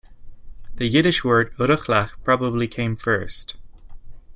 The Yiddish word "ruglach" probably came first.